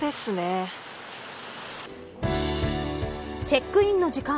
チェックインの時間。